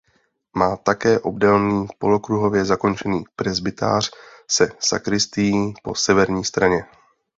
Má také obdélný polokruhově zakončený presbytář se sakristií po severní straně.